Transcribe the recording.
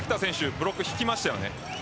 ブロックひきましたよね。